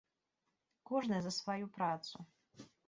Кожны за сваю працу.